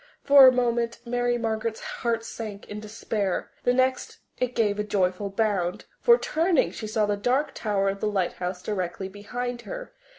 For a moment Mary Margaret's heart sank in despair; the next it gave a joyful bound, for, turning, she saw the dark tower of the lighthouse directly behind her.